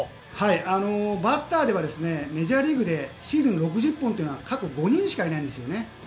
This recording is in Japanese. バッターではメジャーリーグでシーズン６０本というのは過去５人しかいないんです。